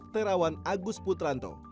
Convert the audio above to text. terawan agus putranto